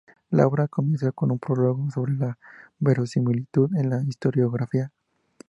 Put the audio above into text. La obra comienza con un prólogo sobre la verosimilitud en la historiografía.